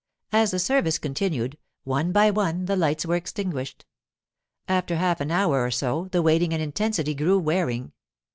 As the service continued, one by one the lights were extinguished. After half an hour or so, the waiting and intensity grew wearing.